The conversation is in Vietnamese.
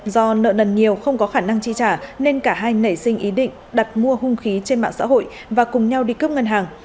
do nợ nần nhiều không có khả năng chi trả nên cả hai nảy sinh ý định đặt mua hung khí trên mạng xã hội và cùng nhau đi cướp ngân hàng